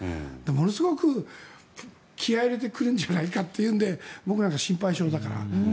ものすごく気合を入れて来るんじゃないのかというので僕なんか心配性だから。